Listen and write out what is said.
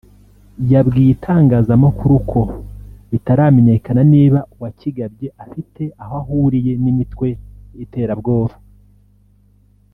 yabwiye itangazamakuru ko bitaramenyekana niba uwakigabye afite aho ahuriye n’imitwe y’iterabwoba